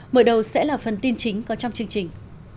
mở đầu sẽ là phần tin chính có trong chương trình